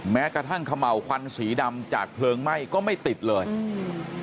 แม้กระทั่งเขม่าวควันสีดำจากเพลิงไหม้ก็ไม่ติดเลยอืม